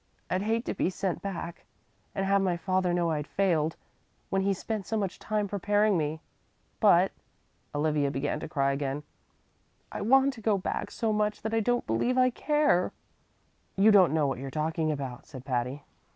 "I'd hate to be sent back, and have my father know I'd failed, when he spent so much time preparing me; but" Olivia began to cry again "I want to go back so much that I don't believe I care." "You don't know what you're talking about," said Patty.